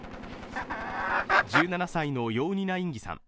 １７歳のヨウニナ・インギさん